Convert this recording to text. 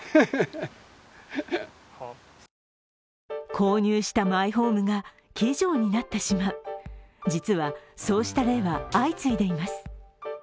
購入したマイホームが鬼城になってしまう、実は、そうした例は相次いでいます